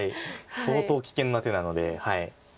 相当危険な手なので。